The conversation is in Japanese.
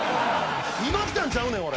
今来たんちゃうねん俺。